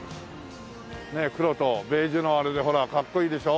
ねえ黒とベージュのあれでほらかっこいいでしょ？